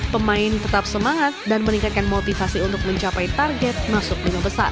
pemain tetap semangat dan meningkatkan motivasi untuk mencapai target masuk lima besar